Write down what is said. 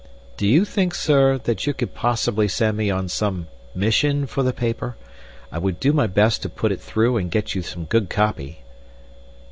"Do you think, Sir, that you could possibly send me on some mission for the paper? I would do my best to put it through and get you some good copy."